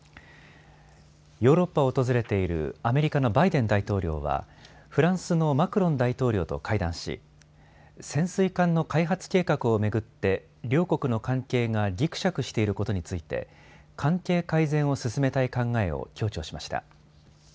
ヨーロッパを訪れているアメリカのバイデン大統領はフランスのマクロン大統領と会談し潜水艦の開発計画を巡って両国の関係がぎくしゃくしていることについて関係改善を進めたい考えを強調しました。